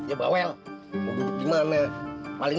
eh bukaan pintunya bukaan